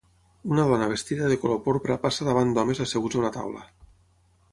Una dona vestida de color porpra passa davant d'homes asseguts a una taula.